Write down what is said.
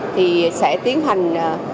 thì sẽ tiến hành